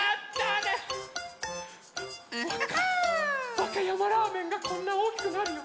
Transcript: わかやまラーメンがこんなおおきくなるよ！